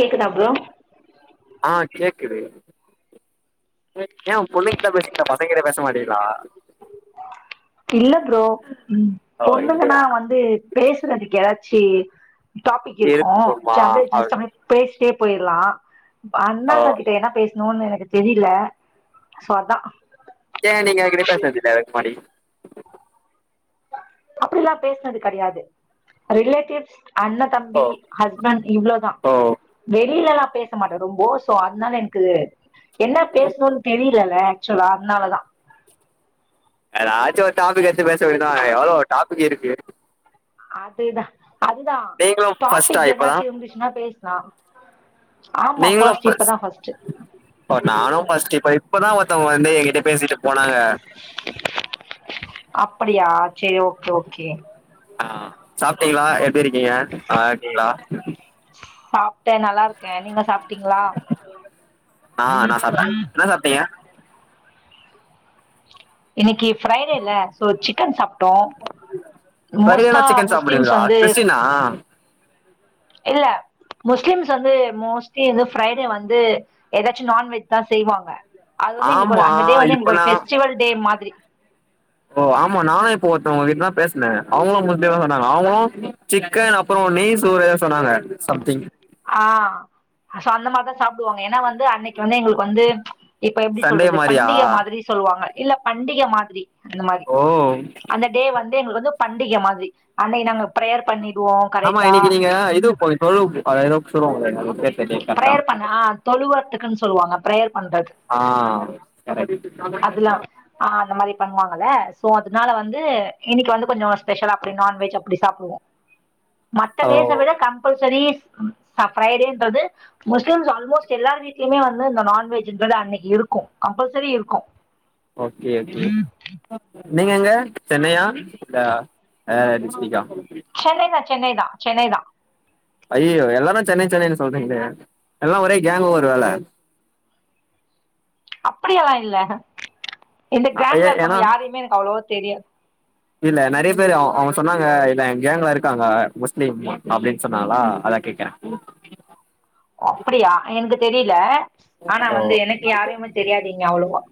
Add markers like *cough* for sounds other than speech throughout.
கேக்குதா ப்ரோ ஆ கேக்குது ஏ பொண்ணுங்கிட்தா பேசுவீங்களா ப சங்க கிட்ட பேசமாட்டிங்களா இல்ல ப்ரோ ம் ஓ பொண்ணுங்கன்னா இல்லையா வந்து பேசுறதுக்கு ஏதாச்சி டாப்பிக் இருக்கு இருக்குமா சாம்புலு அவ் ஜஸ்ட் அப்டி பேஸ்ட்டே போய்ட்லா ஓ அண்ணாங்க கிட்ட என்ன பேச் னோன்னு எனக்கு தெரில சோ அதா ஏன நீங்க யார்கிட்டயு பேச்னது இல்லையா முன்னாடி அப்டிலா பேச்னது கெடையாது ரிலேட்டிவ்ஸ் அண்ண ஓ தம்பி ஹஸ்பண்ட் இவ்ளோதா. ஓ வெளில எல்லா பேச மாட்டே ரொம்போ சோ அதுனால எனக்கு என்ன பேசணுன் தெரிலல்ல ஆக்சுலா அதுனாலதா எதாச்சு ஒரு டாபிக் எடுத்து பேச வேணா எவ்ளோ டாபிக் இருக்கு அதுதா அதுதா நீங்களு ஃபர்ஸ்ட்டா டாபிக் இப்பதா எதுனாச்சு இருந்துச்சுன்னா பேச்லா ஆமா ஃபர்ஸ்ட் இப்பதா ஃபர்ஸ்ட்டு இப்ப நானு ஃபர்ஸ்ட் இப்ப இப்பதா ஒருத்தவங்க வந்து ஏகிட்ட பேசிட்டு போனாங்க அப்படியா செரி ஓகே ஓகே ஆ சாப்ட்டீங்களா எப்டி இருக்கீங்க நல்லா இருக்கீங்களா சாப்ட்டே நல்லா இருக்கே நீங்க சாப்ட்டீங்களா நீங்க இன்னிக்கி ஃப்ரைடேல சோ சிக்கன் சாப்ட்டோ ஃப்ரைடேனா சிக்கன் சாப்டுவீகளா வந்து கிருஸ்டீன்னா இல்ல முஸ்லீம்ஸ் வந்து மோஸ்ட்லி வந்து ஃப்ரைடே வந்து எதாச்சு நான்வெஜ் தா செய்வாங்க அது வந்து எங்களுக்கு ஒரு ஆமா அந்த டே வந்து இப்ப எங்களுக்கு ஒரு நா ஃபெஸ்டிவல் டே மாதிரி ஓ ஆமா நானு இப்ப ஒருத்தவங்கிட்ட தா பேசுனே. அவங்களு முஸ்லீம் தா சொன்னாங்க. அவங்களு சிக்கன் அப்புறொ நெய் சோறு ஏதோ சொன்னாங்க சம்திங் ஆ சோ அந்த மாரிதா சாப்டுவாங்க. ஏனா வந்து அன்னைக்கி வந்து எங்களுக்கு வந்து இப்ப எப்டி சண்டே சொல்றது மாரியா பண்டிக மாதிரி சொல்லுவாங்க. இல்ல பண்டிக மாதிரி அந்த மாரி ஓ அந்த டே வந்து எங்களுக்கு வந்து பண்டிக மாதிரி அன்னைக்கி நாங்க ப்ரேயர் பண்ணிடுவோ கரெக்ட்டா தொழுது அது எதோ சொல்லுவாங்களே *unintelligible* பிரேயர் பண்ணா தொழுவர்த்துக்குன்னு சொல்லுவாங்க ப்ரேயர் பண்றது ஆ கரெக்ட் அதெல்லா ஆ அந்த மாரி பண்ணுவாங்கல்ல சோ அதுனால வந்து இன்னிக்கி வந்து கொஞ்சொ ஸ்பெஷலா அப்டி நான்வெஜ் அப்டி சாப்டுவோ மத்த ஓ டேஸ்ஸ விட கம்பல்சரி ச ஃப்ரைடேன்றது முஸ்லிம்ஸ் ஆல்மோஸ்ட் எல்லார் வீட்லயுமே வந்து இந்த நான்வெஜுன்றது அன்னிக்கி இருக்கு கம்பல்சரி இருக்கு ஓகே ஓகே நீங்க எங்க சென்னையா இல்ல டிஸ்டிக்கா சென்னை தா சென்னை தா சென்னை தா அய்யய்யோ எல்லாரு சென்னை சென்னைன்னு சொல்றீங்களோ எல்லா ஒரே கேங்கோ ஒரு வேல அப்டியெல்லா இல்ல இந்த கேங்ல இருக்கவங்க யாரையுமே எனக்கு அவ்ளோவா தெரியாது உம் இல்ல நெறைய பேரு அவங்க சொன்னாங்க இல்ல கேங்கல இருக்காங்க முஸ்லீம் அப்டின் சொன்னாங்களா அத கேக் கற ஓ அப்படியா எனக்கு தெரியல ஆனா ஓ வந்து எனக்கு யாரையுமே தெரியாது இங்க அவ்ளோவா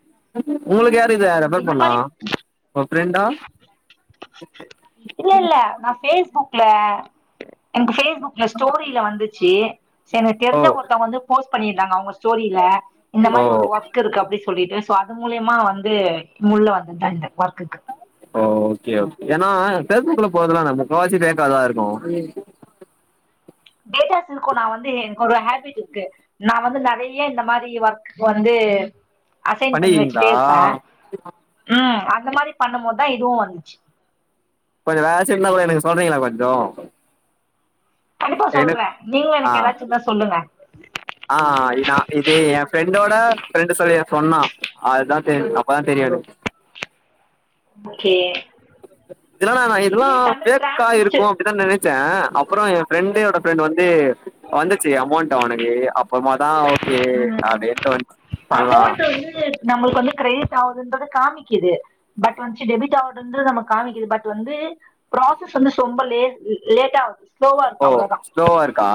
உங்களுக்கு யார் இத ரெஃபர் இந்த பண்ணா மாரி உங்க ஃப்ரெண்டா இல்ல இல்ல நா பேஸ்புக்ல எனக்கு பேஸ்புக் ஸ்டோரியில வந்துச்சு எனக்கு ஓ தெரிஞ்ச ஒருத்தங்க வந்து போஸ்ட் பண்ணியிருந்தாங்க அவங்க ஸ்டோரில இந்த ஓ மாதிரி ஒரு ஒர்க் இருக்கு அப்டி சொல்லிட்டு சோ அது மூலியமா வந்து உள்ள வந்ததுதா இந்த ஒர்க்குக்கு ஓ ஓகே ஓகே ஏனா பேஸ்புக்ல போர்தல்லா நா முக்காவாசி பேக்காதா இருக்கு டேட்டாஸ் இருக்கு நான வந்து எனக்கு ஒரு ஹேபிட் இருக்கு நா வந்து நெறைய இந்த மாரி ஒர்க் வந்து அசைன் பண்ணி பண்ணிருக்கீங்களா வெச்சுட்டே இருப்ப ம் அந்த மாரி பண்ணும்போதா இதுவு வந்துச்சு கொஞ்சோ வேரெதாச்சு இருந்தா கூடோ எனக்கு சொல்றீங்களா கொஞ்சோ கண்டிப்பா எனக்கு சொல்ற நீங்களு ஆ எனக்கு எதாச்சு இருந்தா சொல்லுங்க ஆ நா இது என் ஃப்ரெண்டோட ஃப்ரெண்டு் சொல்லி எனக் சொன்னா அதுதா தெ அப்பதா தெரியு எனக் ஓகே இதெல்லானா நா இதெல்லா இதுலயே தமிழ் பேக்கா இருக்கு டிரான்சிஸ்டர் அப்டிதா நெனைச்சே அப்பறோ ஃப்ரெண்டோட ஃப்ரெண்ட் வந்து வந்துச்சு அமௌண்ட் அவனுக்கு அப்பறமா தா கே ம் அப்டின்ட்டு வந்ட்டு பண்லா நம்ளுக்கு வந்து க்ரெடிட் ஆவுதுன்றத காமிக்கிது பட் வந்துச்சு டெபிட் ஆவுதுன்றதுடு நம்க் காமிக்குது பட் வந்து ப்ராசஸ் வந்து சொம்ப லே லேட் ஆவுது ஓ ஸ்லோவாருக்கா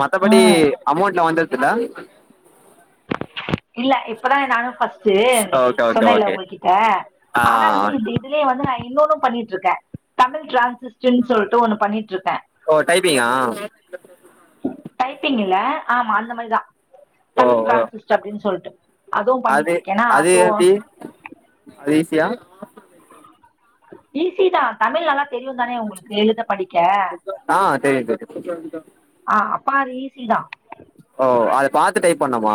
மத்தபடி ம் அமௌண்ட்ல வந்துருதுல இல்ல இப்பதா நானு பஃர்ஸ்ட்டு ஓகே ஓகே சொன்னேல ஓகே உங்ககிட்ட ஆ ஆனா வந்து இது வந்து நா இன்னோன்னு பண்ணிட்டுருக்கே தமிழ் டிரான்சிஸ்லிஸ்ட்டு சொல்லிட்டு ஒன்னு பண்ணிட்டுருக்கே ஓ டைப்பிங்கா டைப்பிங் இல்ல ஆமா அந்த மாரிதா ஓ தமிழ் ஓ ட்ரான்ஸிஸ்ட் அப்டின் சொல்லிட்டு அதுவு அது பண்ணிட்டுருக்கேனா அது எப்டி அது ஈசியா ஈஸி தா தமிழ் நல்லா தெரியுந் தானே உங்களுக்கு எழுத படிக்க ஆஹ் தெரியு தெரியு தெரியு ஆஹ் அப்ப அது ஈசி தா ஓ அத பாத்து டைப் பண்ணமா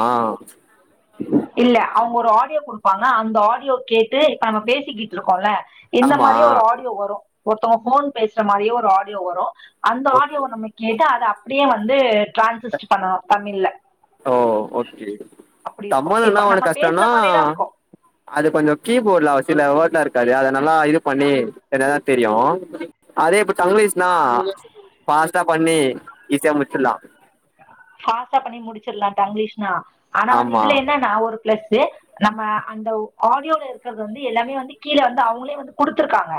இல்ல அவங்க ஒரு ஆடியோ குடுப்பாங்க அந்த ஆடியோ கேட்டு இப்ப நம்ம பேசிக்கிட்டுருக்கோல இந்த ஆமா மாரியே ஒரு ஆடியோ வரு ஒருத்தவங்க போன் பேசுற மாரியே ஒரு ஆடியோ வரு அந்த ஆடியோவ நம்ம கேட்டு அத அப்டியே வந்து ட்ரான்சிஸ்ட் பண்ணணு தமிழ்ல ஓ ஓகே அப்டி இருக்கு தமிழ்ல இப்ப என்ன நம்ம ஒன்னு பேசுற கஷ்டம்னா மாரிதா இருக்கு அது கொஞ்சோ கீபோர்ட்ல அ சில வேட்லா இருக்காது அத நல்லா இது பண்ணி என்னதா தெரியு அதே இப்ப தங்கிலீஷ்னா ஆமா பாஸ்டா பண்ணி ஈஸியா முடிச்சில்லா ஃபாஸ்ட்டா பண்ணி முடுச்சற்லா தங்லிஷ்னா ஆனா வந்து ஆமா இதுல என்னானா ஒரு பிளஸு நம்ம அந்த ஆடியோல இருக்கறது வந்து எல்லாமே வந்து கீழ வந்து அவுங்களே வந்து குடுத்துருக்காங்க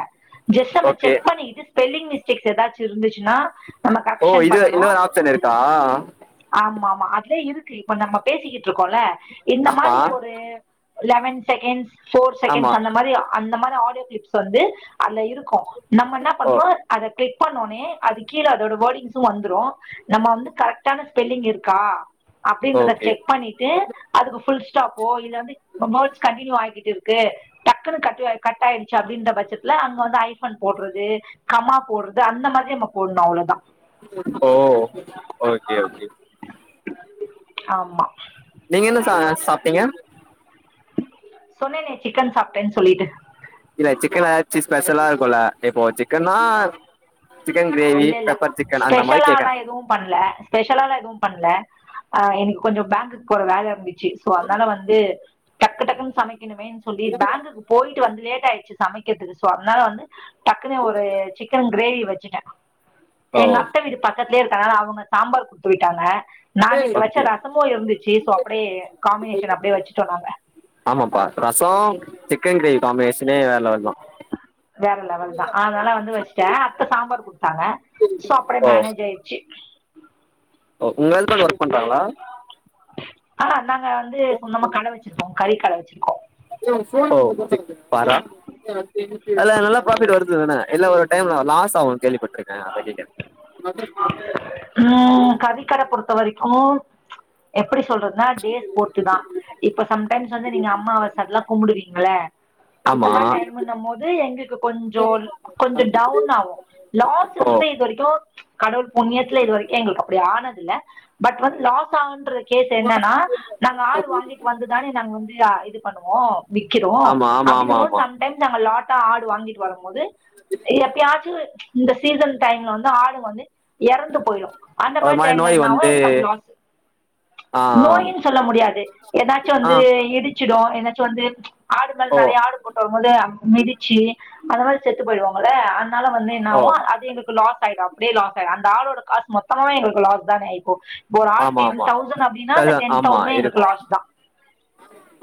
ஜெஸ்ட் நம்ம ஓகே செக் பண்ணிக்கிட்டு ஸ்பெல்லிங் மிஸ்டேக்ஸ் எதாச்சு இருந்துச்சுன்னா நம்ம ஓ கரெக்ஷன் இது பண்ணணு இன்னொரு ஆப்ஷன் இருக்கா ஆமா ஆமா அதுலயே இருக்கு இப்ப நம்ம பேசிக்கிட்டு இருக்கோல்ல இந்த ஆமா மாரி ஒரு லவன் செகண்ட்ஸ் ஃபோர் ஆமா செகண்ட்ஸ் அந்த மாரி அந்த மாரி ஆடியோ கிளிப்ஸ் வந்து அதுல இருக்கு நம்ம என்னா ஓ பண்ணணு அத கிளிக் பண்ணோனே அது கீழ அதோட வேர்டிங்ஸு வந்துறு நம்ம வந்து கரெக்ட் டான ஸ்பெல்லிங் இருக்கா அப்டின்றத ஓகே செக் பண்ணிட்டு அதுக்கு ஃபுல் ஸ்டாப்போ இல்ல இப்ப வோர்ட்ஸ் கண்டின்யூ ஆகிட்டு கு டக்குனு கட்டயா கட் ஆயிடுச்சு அப்டின்ற பச்சத்துல அங்க வந்து ஐஃபன் போடுறது கமா போடுறது அந்த மாதி நம்ம போடணு அவ்ளோதா ஓ ஓகே ஓகே ஆமா நீங்க என்ன சா சாப்டீங்க சொன்னேனே சிக்கன் சாப்டேன் சொல்லிட்டு இல்ல சிக்கன்ல எதாச்சு ஸ்பெஷலா இருக்குல்ல இப்போ சிக் கனா சிக்கன் க்ரேவி பெப்பர் சிக்கன் அந்த மாரி கேக்கறே எதூ பண்ல ஸ்பெஷலாலா எதூ பண்ல ஆ இன்னக்கி கொஞ்சோ பேங்குக்கு போற வேல இருந்துச்சு சோ அதுனால வந்து டக்கு டக்குனு சமைக்கணுமேன்னு சொல்லி பேங்குக்கு போயிட்டு வந்து லேட் ஆயிடுச்சு சமைக்கிறது சோ அதுனால வந்து டக்குனு ஒரு சிக்கன் கிரேவி வச்சுட்டே எங்க அத்த அத்த ஓ வீடு பக்கத்துலயே இருக்கனால அவுங்க சாம்பார் குடுத்து விட்டாங்க நா நேத்து வச்ச ஓகே ரசமு இருந்துச்சு சோ அப்டியே காம்பினேஷன் அப்டியே வச்சுட்டோ நாங்க ஆமாப்பா ரசோ சிக்கன் க்ரேவி காம்பினேசனே வேற லெவல் தா வேற லெவல் தா அதுனால வந்து வச்சுட்டே அத்த சாம்பார் குடுத்தாங்க சோ அப்டியே ஓ மேனேஜ் ஆயி ச்சு ஓ ஒங்க ஹஸ்பன்ட் ஒர்க் பண்றாங்களா ஆ நாங்க வந்து சொந்தமா கட வச்சுருக்கோ கறிக் கட வச்சுருக்கோ ஓ பார்ரா அதுல நல்ல ப்ராஃபிட் வருதுதான இல்ல ஒரு டைம்ல லாஸ் ஆவுன்னு கேள்விப்பட் ருக்கே அதா கேக்குறே ஆ கறி கட பொறுத்த வரைக்கு எப்டி சொல்றது னா டேஸ் பொறுத்துதா இப்ப சம்டைம்ஸ் வந்து நீங்க அம்மாவசன்லா கும்புடுவீங்கல அந்த ஆமா மாரி டைம்முன்னம் போது எங்குளுக்கு கொஞ்சோ கொஞ்ச டவுன் ஆகு ஓ லாசுன்றது இது வரைக்கு கடவுள் புண்ணியத்துல இது வரைக்கு எங்களுக்கு அப்டி ஆனது இல்ல பட் வந் லாஸ் ஆகுன்ற கேஸ் என்னனா நாங்க ஆடு வாங்கிட்டு வந்துதான நாங்க வந்து ஆ இது பண்ணுவோ விக்கிறோ ஆமா ஆமா ஆமா ஆமா அப்டினம்போது சம்டைம்ஸ் நாங்க லாட்டா ஆடு வாங்கி டு வரும்போது எப்பயாச்சு இந்த சீசன் டைம்ல வந்து ஆடு வந்து எறந்து போயிரு அந்த ஒரு மாரி டைம்ல நோய் என்னாவு வந்து எனக்கது லாசு ஆ நோயின் சொல்ல முடியாது எதாச்சு ஆ ஆ வந்து இடு ச்சுடு எதாச்சு வந்து ஆடு மேல ஓ நெறைய ஆடு போட் வரும்போது அ மிதுச்சு அந்த மாரி செத்து போயிறுவாங்கல்ல அதுனால வந் ஓ என்னாவு அது எங்குளுக்கு லாஸ் ஆயிடு அப்டியே லாஸ் ஆயிடு அந்த ஆடோட காசு மொத்தமாவே எங்குளுக்கு லாஸ் தான இப்போ ப்ப ஒரு ஆடு ஆமா டென் ஆமா தௌசண் அப்டின்னா அந்த அதுதா டென் ஆமா தௌசன்மே இருக்கு எங்களுக்கு லாஸ்தா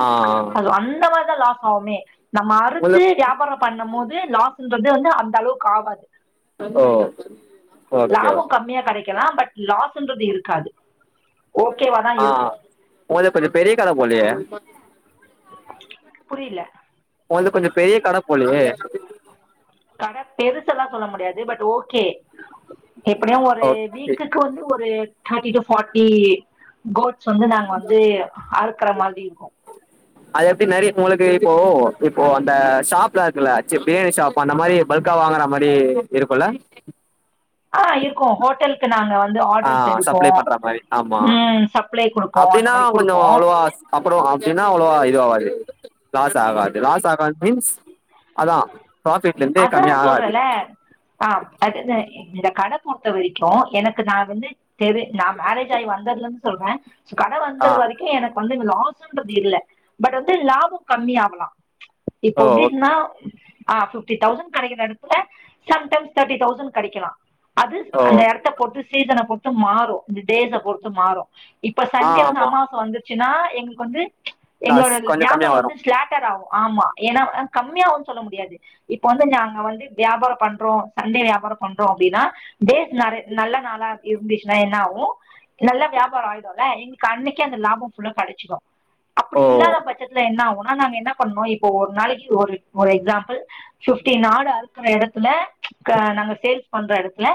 ஆ அது அந்த மார் தா லாஸ் ஆவுமே நம்ம அறுத்து உங்களுக் வியாபாரம் பண்ணும் போது லாசுன்றது வந்து அந்த அளவுக்கு ஆவாது அதா லாபோ கம்மியா கெடைக்கலா பட் லாசுன்றது இருக்காது ஓகேவா தான் ஆ இருக்கும் உங்களுது கொஞ்ச பெரிய கட போலயே புரியல உங்கள்து கொஞ்ச பெரிய கட போலையே கட பெருசுலா சொல்ல முடியாது பட் ஓகே எப்டியு ஒரு ஓகே வீக் குக்கு வந்து ஒரு தேட்டி டு ஃபாட்டி கோட்ஸ் வந்து நாங்க வந்து அறுக்குற மாரி இருக்கு அது எப்டி நெறைய உங்களுக்கு இப்போ இப்போ அந்த ஷாப்லா இருக்குல சி பிரியாணி ஷாப் ப் அந்த மாரி பல்கா வாங்குற மாரி இருக்குல்ல ஆ இருக்கு ஹோட்டல் து நாங்க வந்து ஆ ஆர்டர்ஸ் எடுப்போ சப்ளை பண்ற மாரி ஆமா ம் சப்ளை குடுப்போ அந்த மாரி குடுப்போ அப்பறோ அப்டினா அவ்ளவா இதாவாது லாஸ் ஆகாது லாஸ் ஆகாது மீன்ஸ் அதா ப்ராஃபிட்லந்து அதா கம்மியாகாது சொல்றேன்ல ஆ அதுதா இந்த கட பொறுத்த வரிக்கு எனக்கு நா வந்து தெரு நா மேரேஜாய் வந்ததுலந்து சொல்றே ச்சு கட வந்த ஆ வரைக்கு எனக்கு வந்து லாஸுன்றது இல்ல பட் வந்து லாபோ கம்மியாகலா இப்போ ஓ ஓகே எப்டின்னா ஆ ஃபிப்டி டௌசண்ட் கெடைக்குற எடத்துல சம்டைம்ஸ் தேர்டி டௌசண்ட் கெடிக்கலா அது ஓ அந்த எடத் த பொறுத்து சீசன பொறுத்து மாறு இந்த டேஸ்ஸ பொறுத்து மாறு இப்ப ஆ சண்டே வந்து ஆமா அமாவாச‌ வந்து சுனா எங்களுக்கு வந்து எங்களோட லாஸ் கொஞ்சோ கம்மியா வியாபாரோ வரு வந்து ஸ்லாட்டர் ஆகு ஆமா ஏனா கம்மியாவுன் சொல்ல முடியாது இப்ப வந்து நாங்க வந்து வியாபாரொ பண்றோ சண்டே வியாபாரொ பண்றோ அப்டின்னா டேஸ் நெறை நல்ல நாளா அப்டி இருந்துச்சுனா என்ன ஆவு நல்லா வியாபாரொ ஆய்டுல இன்னிக்கு அன்னைக்கே அந்த லாபோம் ஃபுல்லா கெடச்சுரு அப்டி ஓ இல்லாத பச்சத்துல என்னாகுனா நாங்க என்ன பண்ணோ இப்ப ஒரு நாளிக்கு ஒரு ஒரு எக்ஸாம்பிள் ஃபிப்டீன் ஆடு அறுக்குற எடத்துல அ நாங்க சேல்ஸ் பண்ற எடத்துல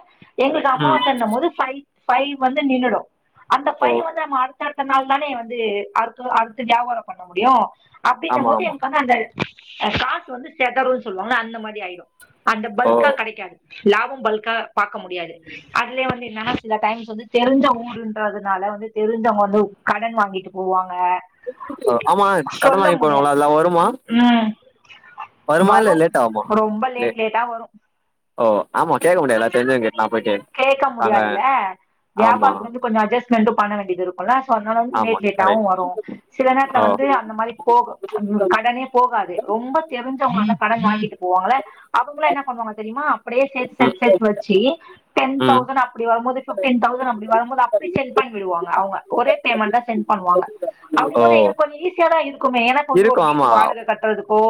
எங்களுக்கு ம் அம்மாவாசன்னும் போது ஃபைவ் ஃபைவ் வந்து நின்னுடு அந்த ஓ ஃபைவ் வந்து நம்ம அடுத் தடுத்த நாள்தானே வந்து அறுத்தூ அறுத்து வியாபாரொ பண்ண முடியு அப்டிங்கம் ஆமா போது ஆமா எனக்கு வந்து அந்த அ காஸ் வந்து செதருன் சொல்வாங்கல அந்த மாரி ஆய்டு அந்த ஓ பல்க்கா கெடைக்காது லாபம் பல்க்கா பாக்க முடியாது அதுலயே வந்து என்னனா சில டைம்ஸ் வந்து தெருஞ்ச ஊருன்றதுனால வந்து தெருஞ்சவங்க வந்து கடன் வாங்கிட்டு போவாங்க ஆமா கடன் சொல்ல வாங்கி முடியாது போனாங்களா அதுல்லா வருமா ம் வருமா இல்ல வரு லேட் ஆகுமா ரொம்ப லே லேட் லேட்டா வரு ஓ ஆமா கேக்கமுடியால்ல தெருஞ்சவ்ங்கிட் கேக்க முடியாதுல்ல ஆமா வியாபாரத்துல இருந்து கொஞ்சொ அட்ஜஸ்ட்மெண்ட்டு பண்ண வேண்டிதிருக்கு க்குல சோ அதனால வந் ஆமா லேட் லேட்டாவு கரெக்ட் வரு சில நேரத்துல ஓ வந்து அந்த மாரி போகு கடனே போகாது ரொம்ப தெருஞ்சவுங்கதா கடன் வாங்கிட் போவாங்கள அவுங்களா என்ன பண்வாங்க தெரியுமா அப்டியே சேத் ம் சேத் சேத் வச்சி டென் ம் தௌசண்ட் அப்டி வரும்போது ஃபிப்டின் தௌசண்ட் அப்டி வரும்போது அப்டியே சென்ட் பண்ணிடுவாங்க அவங்க ஒரே பேமண்ட்டா சென் பண்வாங்க அப்டின் ஓ போது எங்களுக்கு கொஞ்சொ ஈஸியா தா இருக்குமே ஏனா நம்பி இருக்கு ஒரு வீட்டு ஆமா வாடக கட்றதுக்கோ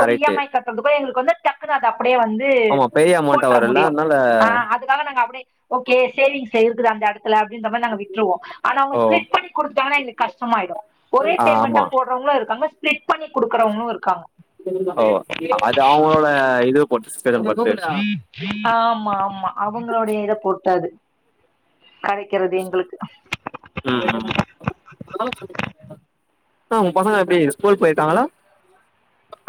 ஒரு இ எம் ஐ கட்றதுக்கோ எங்களுக்கு வந்து டக்குனு அத அப்டியே வந்து ஆமா பெரிய அமௌண்டா போட்ற வருல்ல முடியு அதனால ஆ அதுனால நாங்க அப்டியே ஓக்கே சேவிங்ஸ்ல இருக்குது அந்த எடத்துல அப்டின்ற மாரி நாங்க விட்ருவோ அனா அவுங்க ஓ ஸ்பிலிட் பண்ணி குடுத்துடாங்கனா எங்களுக்கு கஷ்டமாய்டு ஒரே ஆ ஆமா பேமெண்டா போட்றவங்களு இருக்காங்க ஸ்பிலிட் பண்ணி குடுக்குறவங்களு இருக்காங்க ஓ அது அவுங்களோட இது பொருத்தது ஆமா ஆமா அவுங்களுடய இத பொருத்து அது கடைக்கிறது எங்களுக்கு ம் ம் ஆ உங்க பசங்க எப்டி ஸ்கூல் போயிட்டாங்களா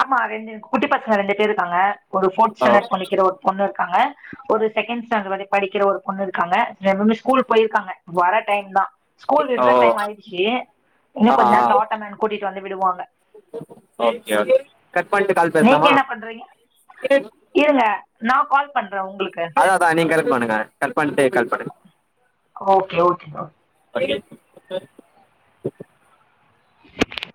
அமா ரெண்டு குட்டி பசங்க ரெண்டு பேருக்காங்க ஒரு ஃபோர்த் ஓ ஸ்டாண்டர்ட் படிக்குற ஒரு பொண்ணுருக்காங்க ஒரு செகண்ட் ஸ்டாண்டர்ட் வர படிக்கிற ஒரு பொண்ணுருக்காங்க ரெண்டுபேருமே ஸ்கூல் போயிருக்காங்க வர டைம் தா ஸ்கூல் ஓ விட்ற டைம் ஆய்ர்ச்சி இன்னு கொஞ்ச நேரத்துல ஆட்டோ மேன் கூட்டிட்டு வந்து விடுவாங்க ஓக்கே ஓக்கே கட் பண்ட்டு கால் நீங்க பேஸ்லாமா என்ன பண்றீங்க இருங்க நா கால் பண்ற உங்குளுக்கு அதா அதா நீங் கனெட் பண்ணுங்க கட் பண்ட்டு கால் பண்ணுங்க ஓகே ஓகே ஓ *unintelligible* *inaudible*